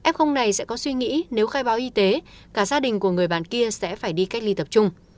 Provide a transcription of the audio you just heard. f này sẽ có suy nghĩ nếu khai báo y tế cả gia đình của người bạn kia sẽ phải đi cách ly tập trung